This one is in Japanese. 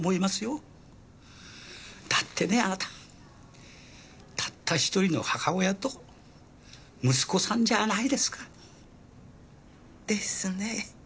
だってねあなたたった一人の母親と息子さんじゃないですか。ですね。